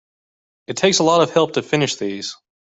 It takes a lot of help to finish these.